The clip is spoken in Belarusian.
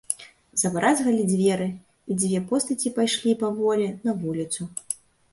Забразгалі дзверы, і дзве постаці пайшлі паволі на вуліцу.